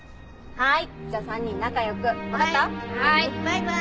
はい。